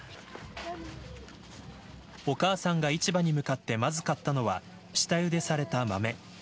お母さんが市場に向かってまず買ったのは下茹でされた豆。